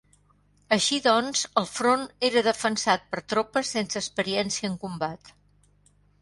Així doncs el front era defensat per tropes sense experiència en combat.